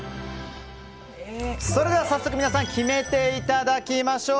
それでは早速皆さん決めていただきましょう！